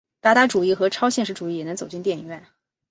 达达主义和超现实主义也能走进电影院。